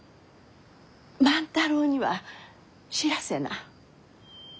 万太郎には知らせな。